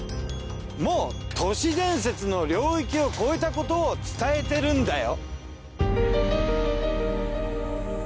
もう都市伝説の領域を超えたことを伝えてるんだよ。